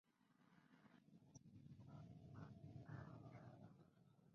El suelo del cráter es plano, sin pico central.